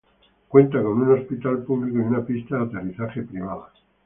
Cuenta con un hospital público y una pista de aterrizaje privada.